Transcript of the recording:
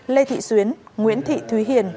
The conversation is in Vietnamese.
lê thị xuyến nguyễn thị thúy hiền